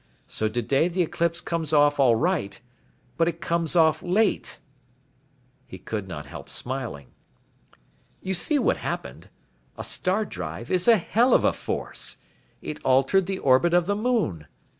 So today the eclipse comes off all right, but it comes off late." He could not help smiling. "You see what happened. A star drive is a hell of a force. It altered the orbit of the moon.